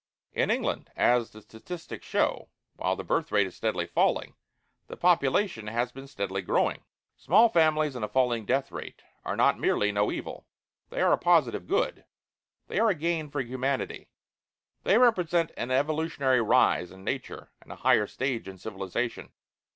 In England, as the statistics show, while the birth rate is steadily falling, the population has been steadily growing. Small families and a falling death rate are not merely no evil they are a positive good. They are a gain for humanity. They represent an evolutionary rise in Nature and a higher stage in civilization.